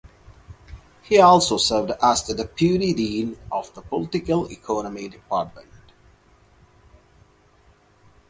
He also served as the deputy dean of the political economy department.